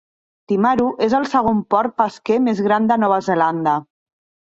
Timaru és el segon port pesquer més gran de Nova Zelanda.